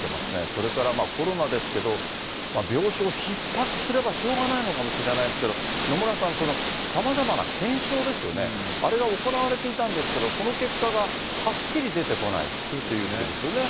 それからコロナですけど、病床ひっ迫すればしょうがないのかもしれないですけれども、野村さん、さまざまな検証ですよね、あれが行われていたんですけど、その結果がはっきり出てこないっていうことですよね。